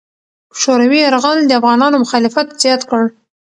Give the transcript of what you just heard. شوروي یرغل د افغانانو مخالفت زیات کړ.